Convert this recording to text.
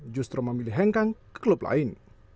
justru memilih hengkang ke klub lain